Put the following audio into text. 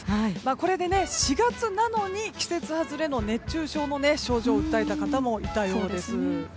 これで４月なのに季節外れの熱中症の症状を訴えた方もいたようです。